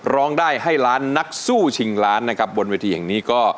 ร้องได้ให้ล้านนักสู้ชิงล้านนะครับบนเวทีแห่งนี้ก็